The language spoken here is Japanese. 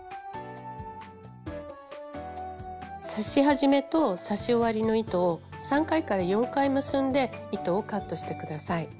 刺し始めと刺し終わりの糸を３回４回結んで糸をカットして下さい。